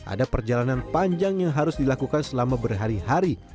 ada perjalanan panjang yang harus dilakukan selama berhari hari